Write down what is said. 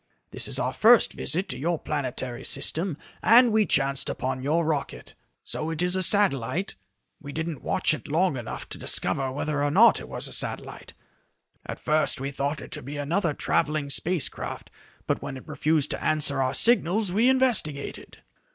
This is our first visit to your planetary system and we chanced upon your rocket. So it is a satellite? We didn't watch it long enough to discover whether or not it was a satellite. At first we thought it to be another traveling space craft, but when it refused to answer our signals we investigated."